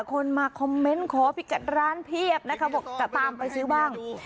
คนมาขอพริกัดร้านเพียบนะครับว่าตามไปซื้อบ้าง